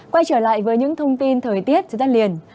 quay trở lại với những thông tin thời tiết sẽ tắt liền